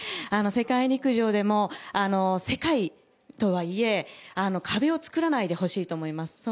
世界陸上でも世界とはいえ壁を作らないでほしいと思います。